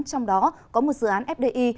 trong đó có một dự án fdi